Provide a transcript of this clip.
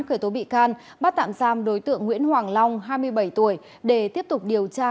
khởi tố bị can bắt tạm giam đối tượng nguyễn hoàng long hai mươi bảy tuổi để tiếp tục điều tra